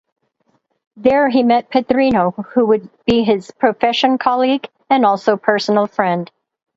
There, he met Pedrinho, who would be his profession colleague and also personal friend.